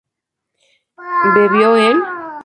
¿bebió él?